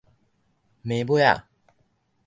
暝尾仔